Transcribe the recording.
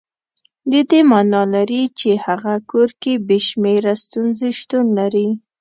د دې معنا لري چې هغه کور کې بې شمېره ستونزې شتون لري.